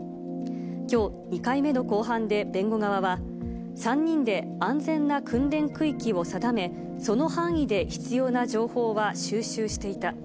きょう、２回目の公判で弁護側は、３人で安全な訓練区域を定め、その範囲で必要な情報は収集していた。